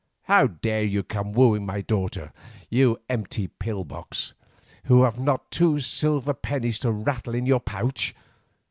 How dare you come wooing my daughter, you empty pill box, who have not two silver pennies to rattle in your pouch!